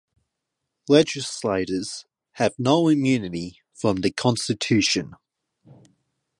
Legislators have no immunity from the Constitution.